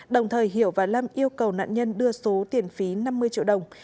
đồng thời hiểu và lâm yêu cầu nạn nhân đưa số tiền phí năm mươi triệu đồng